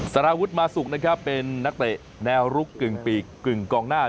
สารวุฒิมาสุกนะครับเป็นนักเตะแนวลุกกึ่งปีกกึ่งกองหน้า